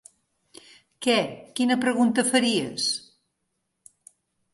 Què, quina pregunta faries?